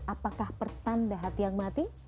apakah pertanda hati yang mati